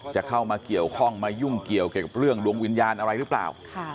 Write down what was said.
จะเข้ามาเกี่ยวข้องมายุ่งเกี่ยวเกี่ยวกับเรื่องดวงวิญญาณอะไรหรือเปล่า